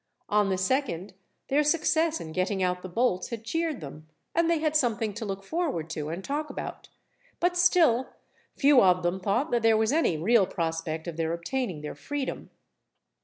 On the second, their success in getting out the bolts had cheered them, and they had something to look forward to and talk about; but still, few of them thought that there was any real prospect of their obtaining their freedom.